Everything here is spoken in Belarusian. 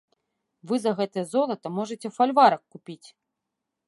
Вы за гэтае золата можаце фальварак купіць!